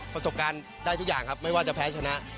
ประสบการณ์ได้ทุกอย่างครับไม่ว่าจะแพ้ชนะ